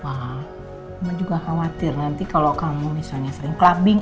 mama juga khawatir nanti kalau kamu misalnya sering clubbing